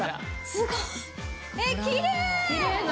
すごい。